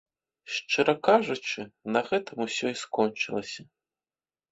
Шчыра кажучы, на гэтым усё і скончылася.